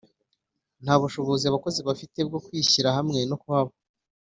Nta bushobozi abakozi bafite bwo kwishyira hamwe no kuhaba